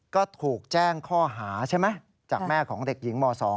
ก็ถูกแจ้งข้อหาใช่ไหมจากแม่ของเด็กหญิงม๒